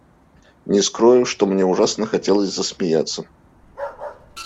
Не скрою, что мне ужасно хотелось засмеяться.